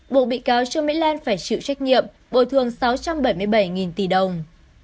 bộ bị cáo trương mỹ lan phải chịu trách nhiệm bồi thường sáu trăm bảy mươi bảy tỷ đồng